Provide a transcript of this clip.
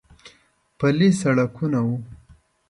پلي سړکونه و.